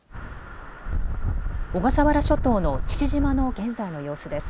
小笠原諸島の父島の現在の様子です。